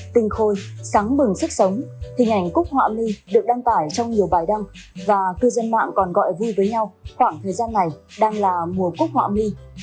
tinh khôi sáng mừng sức sống hình ảnh cúc họa mi được đăng tải trong nhiều bài đăng và cư dân mạng còn gọi vui với nhau khoảng thời gian này đang là mùa cúc họa mi